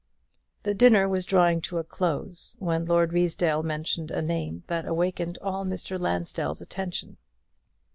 The dinner was drawing to a close, when Lord Ruysdale mentioned a name that awakened all Mr. Lansdell's attention.